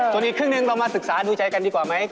ส่วนอีกครึ่งหนึ่งเรามาศึกษาดูใจกันดีกว่าไหม